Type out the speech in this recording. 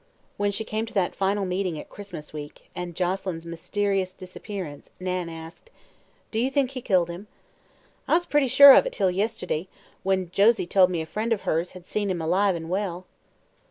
When she came to that final meeting at Christmas week and Joselyn's mysterious disappearance, Nan asked: "Do you think he killed him?" "I was pretty sure of it till yest'day, when Josie told me a friend of hers had seen him alive an' well."